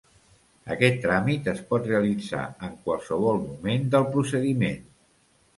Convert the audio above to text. Aquest tràmit es pot realitzar en qualsevol moment del procediment.